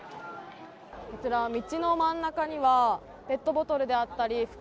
こちら、道の真ん中にはペットボトルであったり袋